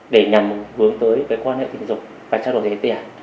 để nhằm hướng tới quan hệ tình dục và trao đổi lấy tiền